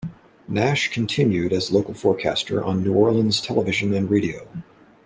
Nash continued as a local forecaster on New Orleans television and radio.